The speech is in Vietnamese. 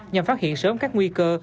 nhằm phát hiện sớm các nguy cơ